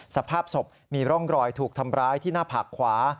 สภาพศพมีร่องรอยถูกทำร้ายที่หน้าผากขวา